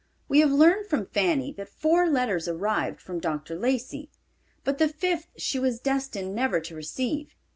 We have learned from Fanny that four letters arrived from Dr. Lacey; but the fifth she was destined never to receive.